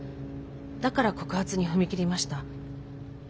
だから告発に踏み切りました。